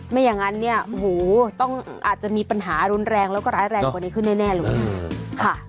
ไม่อย่างนั้นเนี่ยหูต้องอาจจะมีปัญหารุนแรงแล้วก็ร้ายแรงกว่านี้ขึ้นแน่เลยค่ะ